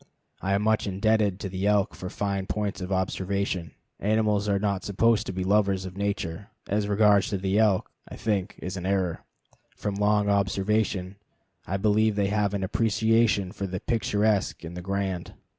I am much indebted to the elk for fine points of observation. Animals are not supposed to be lovers of nature. As regards the elk, this, I think, is an error. From long observation, I believe they have an appreciation of the picturesque and the grand.